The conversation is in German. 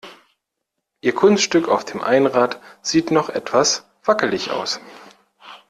Ihr Kunststück auf dem Einrad sieht noch etwas wackelig aus.